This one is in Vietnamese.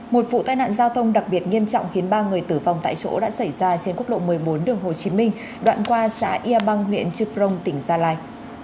một vụ tai nạn giao thông đặc biệt nghiêm trọng khiến ba người tử vong tại chỗ đã xảy ra trên quốc lộ một mươi bốn đường hồ chí minh đoạn qua xã yà băng huyện trư prong tỉnh gia lai